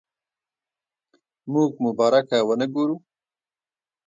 موږ مبارکه ونه وګورو.